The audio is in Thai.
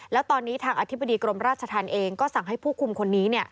แล้วตอนนี้ทางอธิบดีกรมราชธรรมเองก็สั่งให้ผู้คุมคนนี้